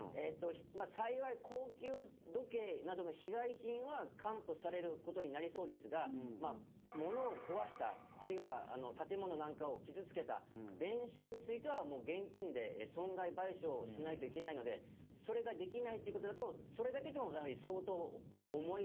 幸い高級時計などの被害品は還付される事になりそうですがものを壊したあるいは建物なんかを傷つけた弁償についてはもう現金で損害賠償をしないといけないのでそれができないっていう事だとそれだけでもやはり相当重い。